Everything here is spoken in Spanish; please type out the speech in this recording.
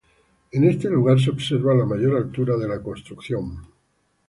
En este lugar se observa la mayor altura de la construcción.